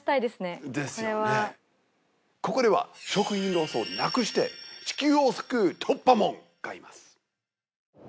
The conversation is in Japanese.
これはここでは食品ロスをなくして地球を救う「突破者」がいます